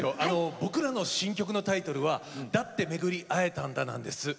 僕らの新曲のタイトルは「だってめぐり逢えたんだ」なんです。